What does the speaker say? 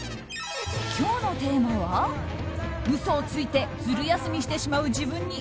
今日のテーマは、嘘をついてズル休みしてしまう自分に